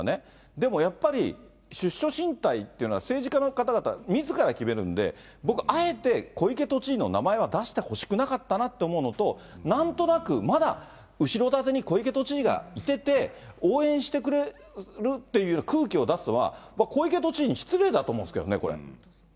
でもやっぱり、出処進退というのは、政治家の方々、みずから決めるんで、僕、あえて小池都知事の名前は出してほしくなかったなと思うのと、なんとなく、まだ後ろ盾に小池都知事がいてて、応援してくれるっていう空気を出すのは、小池都知事に失礼だと思うんですけどね、これ。